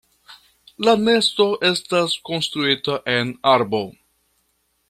La nesto estas konstruita en arbo.